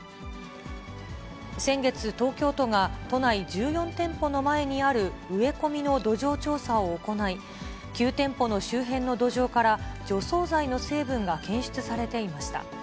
先月、東京都が都内１４店舗の前にある植え込みの土壌調査を行い、９店舗の周辺の土壌から除草剤の成分が検出されていました。